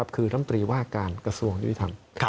คือน้ำตรีว่าการกระทรวงยุติธรรม